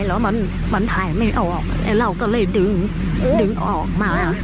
แล้วมันมันถ่ายไม่ออกไอ้เราก็เลยดึงดึงออกมา